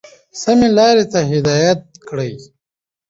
سمي لاري ته هدايت كړي،